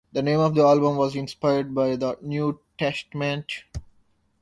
The name of the album was inspired by the New Testament.